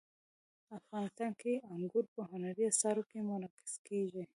افغانستان کې انګور په هنري اثارو کې منعکس کېږي.